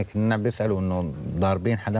มีใครต้องจ่ายค่าคุมครองกันทุกเดือนไหม